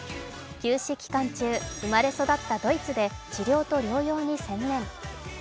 休止期間中、生まれ育ったドイツで治療と療養に専念。